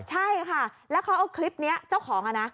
ใช่ค่ะแล้วเขาเอาคลิปนี้เจ้าของนะ